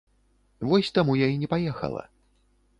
Вось, таму я і не паехала.